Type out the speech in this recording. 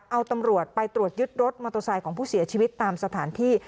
เอาตำรวจไปตรวจยึดรถมอเตอร์ไซค์ของผู้เสียชีวิตตามสถานที่